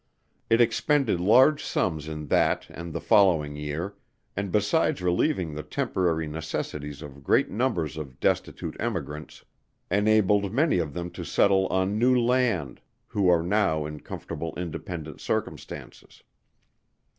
It expended large sums in that and the following year, and besides relieving the temporary necessities of great numbers of destitute Emigrants, enabled many of them to settle on new land, who are now in comfortable independent circumstances.